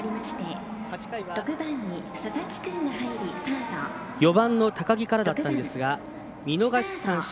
８回は４番の高木からだったんですが見逃し三振。